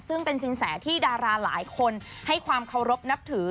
ซึ่งเป็นสินแสที่ดาราหลายคนให้ความเคารพนับถือ